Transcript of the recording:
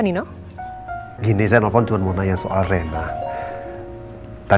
kita bisa ketemu gak ya mbak